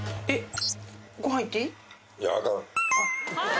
えっ？